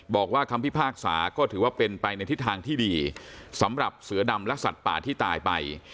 บอกว่าคำพิพากษาก็ถือว่าเป็นไปในทิศทางที่ดีสำหรับเสือดำและสัตว์ป่าที่ตายไป